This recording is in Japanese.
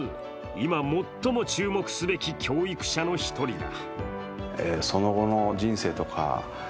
今最も注目すべき教育者の１人だ。